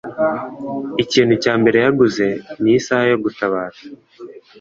Ikintu cya mbere yaguze ni isaha yo gutabaza.